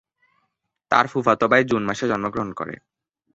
তার ফুফাতো ভাই জুন মাসে জন্মগ্রহণ করে।